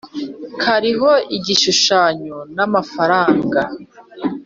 kariho igishushanyo na mafaranga